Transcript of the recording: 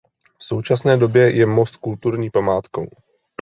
V současné době je most kulturní památkou.